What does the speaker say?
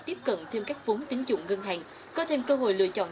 tiếp cận thêm các vốn tính dụng ngân hàng có thêm cơ hội lựa chọn